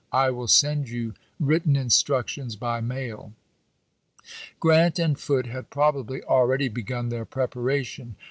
■' "I will send you written instructions by mail," Grant and Foote had probably already begun their preparation.